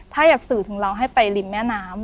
ถ้าอยากสื่อถึงเราให้ไปริมแม่น้ำ